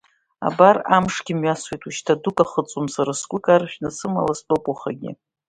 Абар, амшгьы мҩасуеит, ушьҭа дук ахыҵуам, сара сгәы каршәны, сымала стәоуп уахагьы.